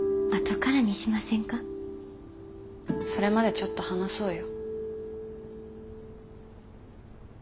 それまでちょっと話そうよ。